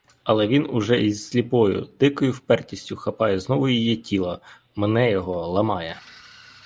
Але він уже із сліпою, дикою впертістю хапає знову її тіло, мне його, ламає.